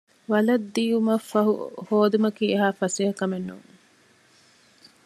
ވަލަށް ދިޔުމަށްފަހު ހޯދުމަކީ އެހާ ފަސޭހަކަމެއްނޫން